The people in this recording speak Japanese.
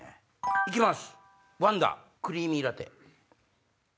行きます！